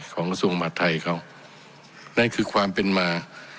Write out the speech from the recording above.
ของส่วนมหัสไทยเขานั่นคือความเป็นมา